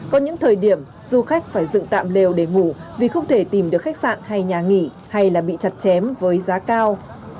có những thời điểm du khách phải dựng tạm lều để ngủ vì không thể tìm được khách sạn hay nhà nghỉ hay là bị chặt chém với giá cao